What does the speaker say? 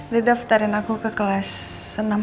dia daftarin aku ke kelas senam hamil